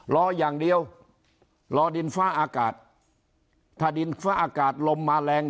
รออย่างเดียวรอดินฟ้าอากาศถ้าดินฟ้าอากาศลมมาแรง